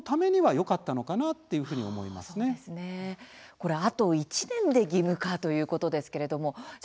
これ、あと１年で義務化ということですけれどもじゃ